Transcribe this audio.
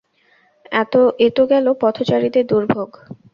এত গেল পথচারীদের দুর্ভোগ।